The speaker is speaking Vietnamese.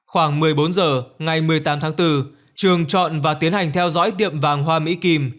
khoảng một mươi bốn h ngày một mươi tám tháng bốn trường chọn và tiến hành theo dõi tiệm vàng hoa mỹ kim